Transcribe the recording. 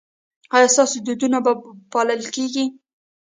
ایا ستاسو دودونه به پالل کیږي؟